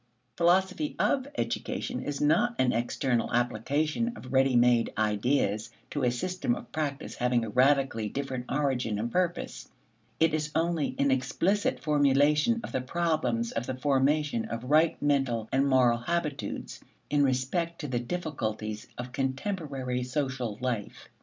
"Philosophy of education" is not an external application of ready made ideas to a system of practice having a radically different origin and purpose: it is only an explicit formulation of the problems of the formation of right mental and moral habitudes in respect to the difficulties of contemporary social life.